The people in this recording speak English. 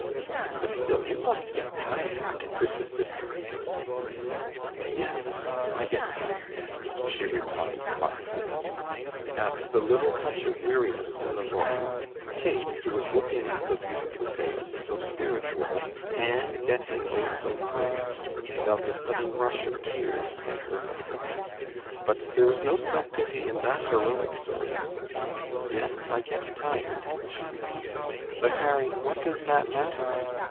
"But still you must get tired," persisted Harry. "Yes, I get tired," she replied, quietly. At the little touch of weariness in the voice, Kate, who was looking at the beautiful face, so spiritual, and getting, oh, so frail, felt a sudden rush of tears in her eyes. But there was no self pity in that heroic soul. "Yes, I get tired," she repeated, "but, Harry, what does that matter?